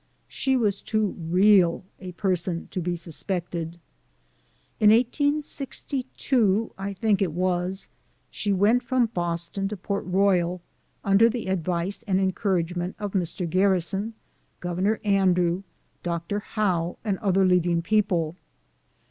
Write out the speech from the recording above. She was too real a person to be sus pected. In 1862, I think it was, she went from Boston to Port Royal, under the advice and encour agement of Mr. Garrison, Governor Andrew, Dr. Howe, and other leading people.